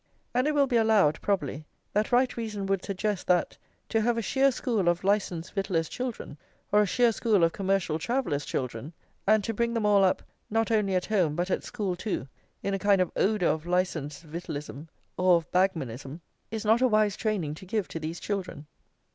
And it will be allowed, probably, that right reason would suggest that, to have a sheer school of Licensed Victuallers' children, or a sheer school of Commercial Travellers' children, and to bring them all up, not only at home but at school too, in a kind of odour of licensed victualism or of bagmanism, is not a wise training to give to these children.